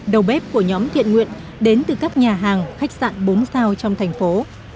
đầu bếp của nhóm thiện nguyện đến từ các nhà hàng khách sạn bốn sao trong thành phố